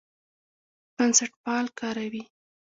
بنسټپال کاروي.